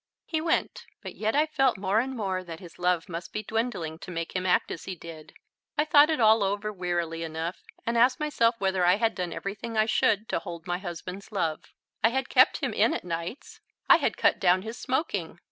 He went. But yet I felt more and more that his love must be dwindling to make him act as he did. I thought it all over wearily enough and asked myself whether I had done everything I should to hold my husband's love. I had kept him in at nights. I had cut down his smoking.